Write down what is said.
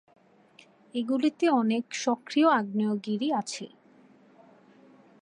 এগুলিতে অনেক সক্রিয় আগ্নেয়গিরি আছে।